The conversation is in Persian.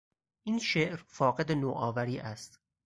این شعر فاقد نوآوری است.